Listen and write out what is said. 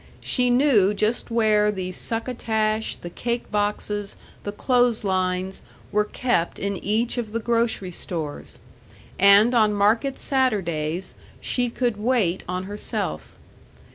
She knew just where the succotash, the cake boxes, the clothes lines, were kept in each of the grocery stores, and on market Saturdays she could wait on herself.